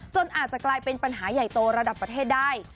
อาจจะกลายเป็นปัญหาใหญ่โตระดับประเทศได้